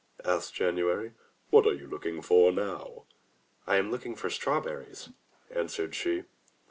asked January. "What are you looking for now?" "I am looking for strawberries," answered she.